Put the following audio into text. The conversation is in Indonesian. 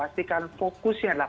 pastikan fokusnya adalah